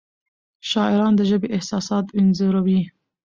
شاعران د ژبې احساسات انځوروي.